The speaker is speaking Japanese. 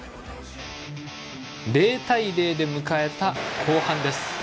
０対０で迎えた後半です。